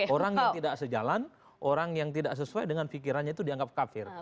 orang yang tidak sejalan orang yang tidak sesuai dengan pikirannya itu dianggap kafir